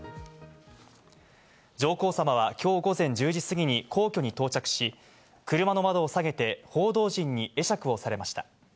上皇さまは今日午前１０時過ぎに皇居に到着し、車の窓を下げて報道陣に会釈をされました。